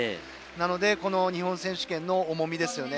なので、この日本選手権の重みですよね。